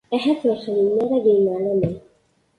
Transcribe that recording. Ahat ur xdimen ara deg-neɣ laman.